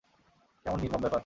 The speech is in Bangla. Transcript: কেমন নির্মম ব্যপার?